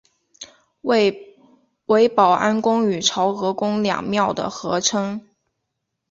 为保安宫与潮和宫两庙的合称。